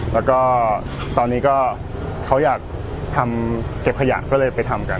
แล้วก็ตอนนี้ก็เขาอยากทำเก็บขยะก็เลยไปทำกัน